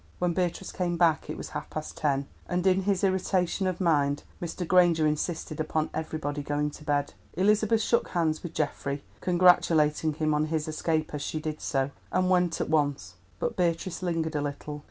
When Beatrice came back it was half past ten, and in his irritation of mind Mr. Granger insisted upon everybody going to bed. Elizabeth shook hands with Geoffrey, congratulating him on his escape as she did so, and went at once; but Beatrice lingered a little.